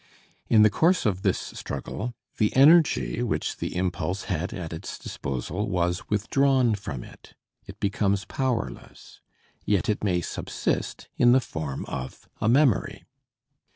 In the course of this struggle, the energy which the impulse had at its disposal was withdrawn from it, it becomes powerless; yet it may subsist in the form of a memory.